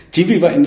chính vì vậy